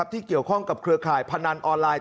ที่เกี่ยวข้องกับเครือข่ายพนันออนไลน์